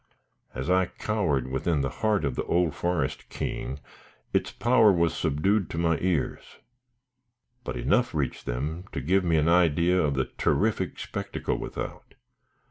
As I cowered within the heart of the old forest king, its power was subdued to my ears; but enough reached them to give me an idea of the terrific spectacle without.